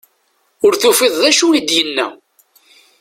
Ur tufiḍ d acu i d-yenna.